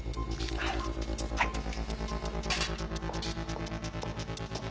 はい。